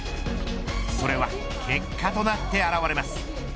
それは結果となって現れます。